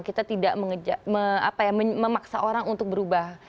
kita tidak memaksa orang untuk berubah